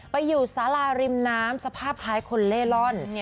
ไปอยู่สาราริมน้ำสภาพคล้ายคนเล่ร่อน